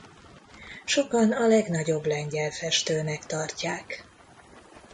Sokan a legnagyobb lengyel festőnek tartják.